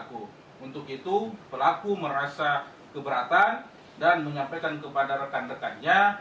untuk itu pelaku merasa keberatan dan menyampaikan kepada rekan rekannya